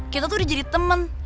kita tuh udah jadi teman